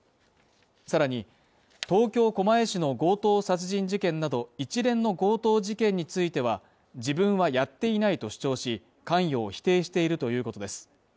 さらに、東京・狛江市の強盗殺人事件など一連の強盗事件については自分はやっていないと主張し、関与を否定しているということです。